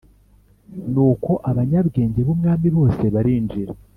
Nuko abanyabwenge b umwami bose barinjira